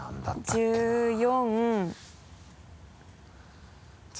１４？